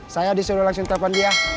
saya disuruh langsung telepon dia